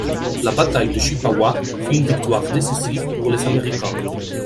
La bataille de Chippawa fut une victoire décisive pour les Américains.